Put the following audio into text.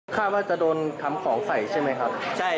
คาดว่าจะโดนทำของใส่ใช่ไหมครับ